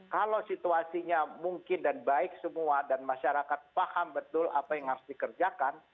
kalau situasinya mungkin dan baik semua dan masyarakat paham betul apa yang harus dikerjakan